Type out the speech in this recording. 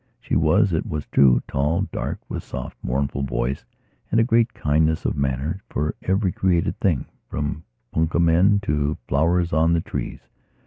She was, it was true, tall, dark, with soft mournful voice and a great kindness of manner for every created thing, from punkah men to flowers on the trees.